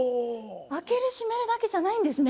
開ける閉めるだけじゃないんですね？